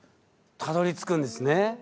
たどりつくんですね。